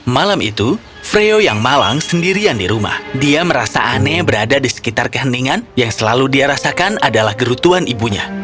malam itu freo yang malang sendirian di rumah dia merasa aneh berada di sekitar keheningan yang selalu dia rasakan adalah gerutuan ibunya